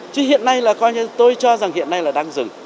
chứ hiện nay là coi như tôi cho rằng hiện nay là đang dừng